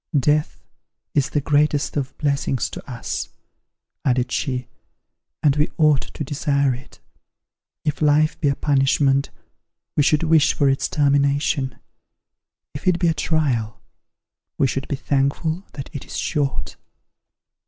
Death is the greatest of blessings to us," added she, "and we ought to desire it. If life be a punishment, we should wish for its termination; if it be a trial, we should be thankful that it is short."